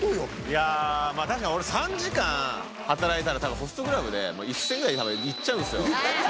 いやー、確かに俺、３時間働いたらたぶん、ホストクラブで１０００くらい、たぶんいっちゃうんですよ。